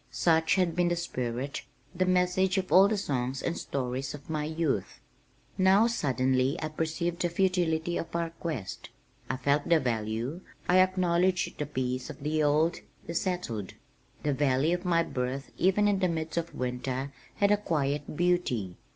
Such had been the spirit, the message of all the songs and stories of my youth. Now suddenly I perceived the futility of our quest. I felt the value, I acknowledged the peace of the old, the settled. The valley of my birth even in the midst of winter had a quiet beauty.